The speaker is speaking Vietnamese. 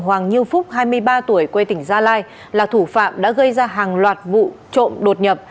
hoàng như phúc hai mươi ba tuổi quê tỉnh gia lai là thủ phạm đã gây ra hàng loạt vụ trộm đột nhập